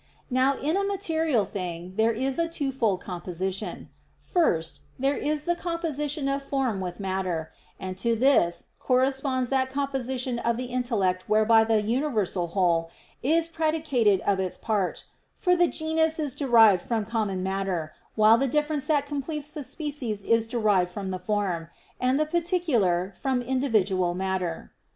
Now in a material thing there is a twofold composition. First, there is the composition of form with matter; and to this corresponds that composition of the intellect whereby the universal whole is predicated of its part: for the genus is derived from common matter, while the difference that completes the species is derived from the form, and the particular from individual matter.